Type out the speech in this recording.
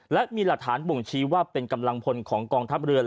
และมีหลักฐานบ่งชี้ว่าเป็นกำลังพลของกองทัพเรือ